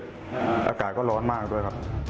อากาศก็ร้อนมากด้วยครับ